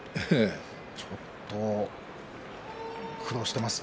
ちょっと苦労してますね。